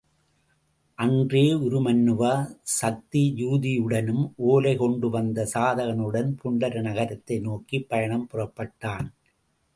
அன்றே உருமண்ணுவா, சக்தி யூதியுடனும் ஒலை கொண்டு வந்த சாதகனுடன் புண்டர நகரத்தை நோக்கிப் பயணம் புறப்பட்டான்.